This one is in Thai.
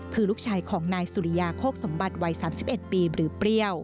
คือลูกชายของนายสุริยาโคกสมบัติวัย๓๑ปีหรือเปรี้ยว